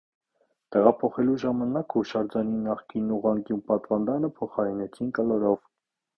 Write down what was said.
Տեղափոխելու ժամանակ հուշարձանի նախկին ուղղանկյուն պատվանդանը փոխարինեցին կլորով։